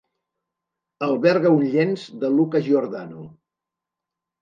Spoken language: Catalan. Alberga un llenç de Luca Giordano.